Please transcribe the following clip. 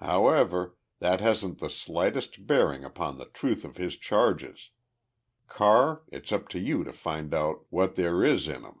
However, that hasn't the slightest bearing upon the truth of his charges. Carr, it's up to you to find out what there is in 'em!"